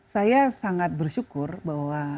saya sangat bersyukur bahwa